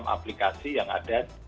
macam aplikasi yang ada